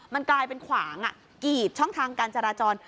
มันกลายเป็นขวางกีดช่องทางการจราจร